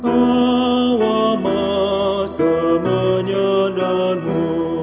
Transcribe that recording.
awam mas kemenyan dan mur